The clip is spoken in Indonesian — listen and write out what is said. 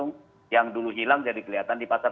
uang yang dulu hilang jadi kelihatan di pasar